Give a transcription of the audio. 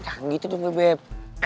jangan gitu tuh beb